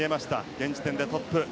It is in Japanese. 現時点でトップ。